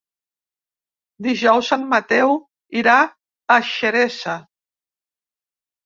Dijous en Mateu irà a Xeresa.